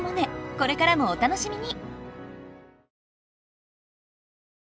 これからもお楽しみに！